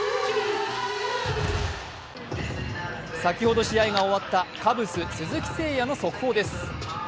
先ほど試合が終わったカブス・鈴木誠也の速報です。